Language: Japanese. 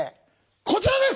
こちらです！